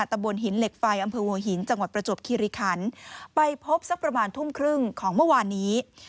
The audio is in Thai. ตำบลหินเหล็กไฟอำเภอหัวหินจังหวัดประจวบคิริคันไปพบสักประมาณทุ่มครึ่งของเมื่อวานนี้